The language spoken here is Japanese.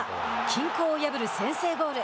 均衡を破る先制ゴール。